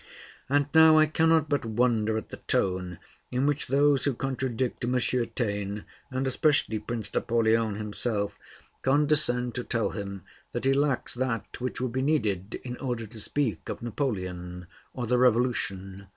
... And now I cannot but wonder at the tone in which those who contradict M. Taine, and especially Prince Napoleon himself, condescend to tell him that he lacks that which would be needed in order to speak of Napoleon or the Revolution.